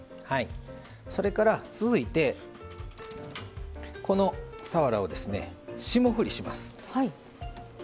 それから続いてこのさわらを霜降りします。